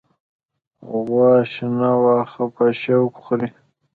غوا شنه واخه په شوق خوری